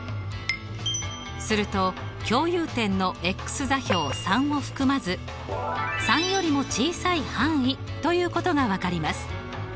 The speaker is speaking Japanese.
すると共有点の座標３を含まず３よりも小さい範囲ということが分かります。